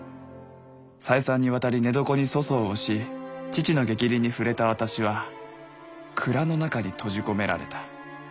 再三にわたり寝床に粗相をし父のげきりんに触れた私は蔵の中に閉じ込められた。